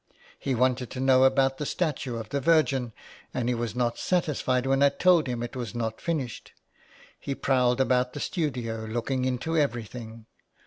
He wanted to know about the statue of the Virgin, and he was not satisfied when I told him it was not finished. He prowled about the studio, looking into everything.